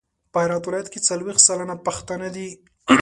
په هرات ولایت کې څلویښت سلنه پښتانه دي.